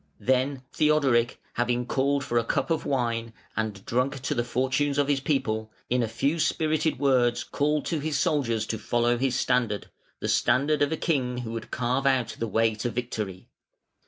Then Theodoric, having called for a cup of wine, and drunk to the fortunes of his people, in a few spirited words called to his soldiers to follow his standard the standard of a king who would carve out the way to victory.